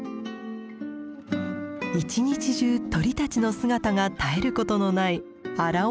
一日中鳥たちの姿が絶えることのない荒尾干潟。